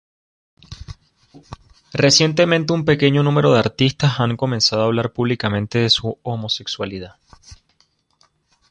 Recientemente, un pequeño número de artistas han comenzado a hablar públicamente de su homosexualidad.